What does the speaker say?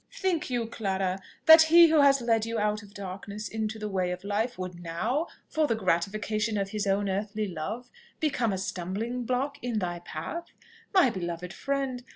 "Think you, Clara, that he who has led you out of darkness into the way of life would now, for the gratification of his own earthly love, become a stumbling block in thy path? My beloved friend!